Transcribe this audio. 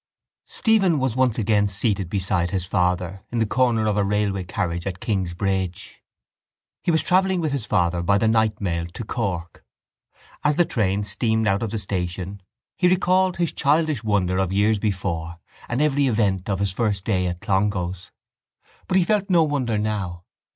Stephen was once again seated beside his father in the corner of a railway carriage at Kingsbridge. He was travelling with his father by the night mail to Cork. As the train steamed out of the station he recalled his childish wonder of years before and every event of his first day at Clongowes. But he felt no wonder now.